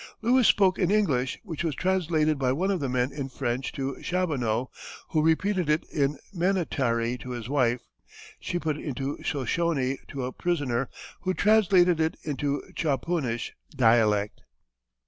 Lewis spoke in English, which was translated by one of the men in French to Chaboneau, who repeated it in Minnetaree to his wife. She put it into Shoshonee to a prisoner, who translated it into Chopunnish dialect.